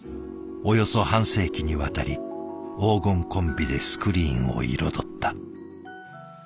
およそ半世紀にわたり黄金コンビでスクリーンを彩った。